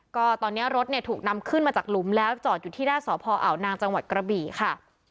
ก็ตอนนี้รถเนี่ยถูกนำขึ้นมาจากหลุมแล้วจอดอยู่ที่หน้าสพอาวนางจังหวัดกระบี่ค่ะ